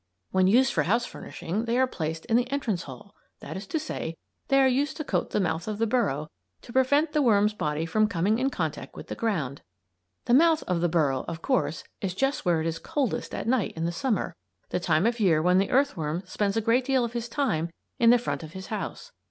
When used for house furnishing they are placed in the entrance hall; that is to say, they are used to coat the mouth of the burrow to prevent the worm's body from coming in contact with the ground. The mouth of the burrow, of course, is just where it is coldest at night in the Summer, the time of year when the earthworm spends a great deal of his time in the front of his house.